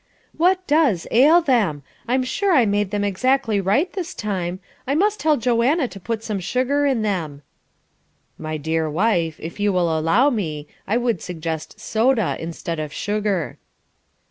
"What does ail them? I'm sure I made them exactly right this time. I must tell Joanna to put some sugar in them." "My dear wife, if you will allow me, I would suggest soda instead of sugar."